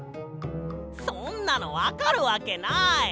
そんなのわかるわけない！